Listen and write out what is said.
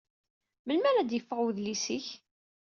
Melmi ara d-yeffeɣ wedlis-ik?